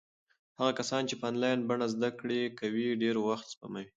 هغه کسان چې په انلاین بڼه زده کړې کوي ډېر وخت سپموي.